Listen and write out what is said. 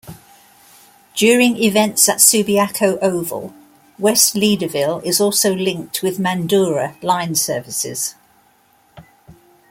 During events at Subiaco Oval, West Leederville is also linked with Mandurah line services.